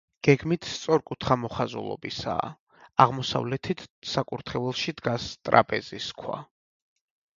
გეგმით სწორკუთხა მოხაზულობისაა, აღმოსავლეთით საკურთხეველში დგას ტრაპეზის ქვა.